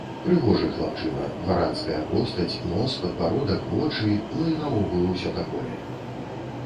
Прыгожы хлапчына, дваранская постаць, нос, падбародак, вочы, ну, і наогул усё такое!